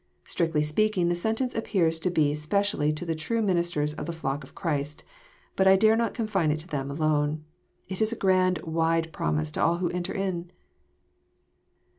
Strictly speaking the sentence appears to belong spe cially to the true ministers of the flock of Christ. Bat I dare not confine it to them alone. It Is a grand, wide promise to all who enter in.